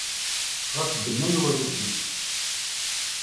Ɣef ddemma n wurrif-ik.